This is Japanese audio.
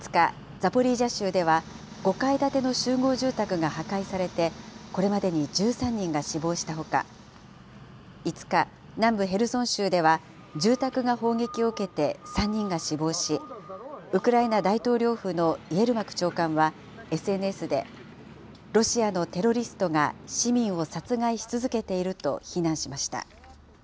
ザポリージャ州では、５階建ての集合住宅が破壊されて、これまでに１３人が死亡したほか、５日、南部ヘルソン州では住宅が砲撃を受けて、３人が死亡し、ウクライナ大統領府のイエルマク長官は、ＳＮＳで、ロシアのテロリストが市民を殺害し続けていると非難しました。